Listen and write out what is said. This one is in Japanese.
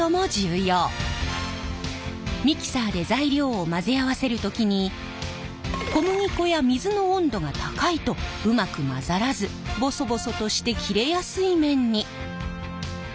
ミキサーで材料を混ぜ合わせる時に小麦粉や水の温度が高いとうまく混ざらずボソボソとして切れやすい麺に。